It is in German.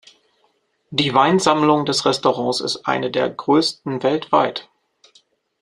Die Weinsammlung des Restaurants ist eine der größten weltweit.